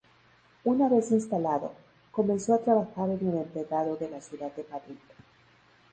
Una vez instalado, comenzó a trabajar en el empedrado de la ciudad de Madrid.